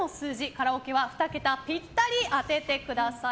カラオケは２桁ぴったり当ててください。